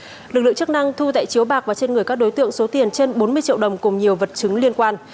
trước đó lực lượng chức năng thu tại chiếu bạc và trên người các đối tượng số tiền trên bốn mươi triệu đồng cùng nhiều vật chứng liên quan